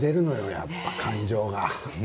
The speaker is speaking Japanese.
やっぱり感情が。